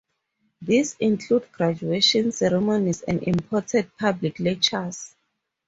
These include graduation ceremonies and important public lectures.